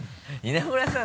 稲村さん